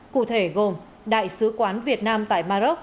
cụ thể gồm đại sứ quán việt nam tại maroc